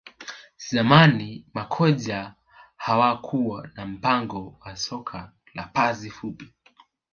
Zamani makocha hawakuwa na mpango wa soka la pasi fupi